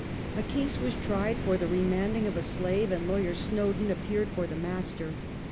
A case was tried for the remanding of a slave, and lawyer Snowden appeared for the master.